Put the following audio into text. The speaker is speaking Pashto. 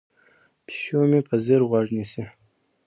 پیشو مې په ځیر غوږ نیسي.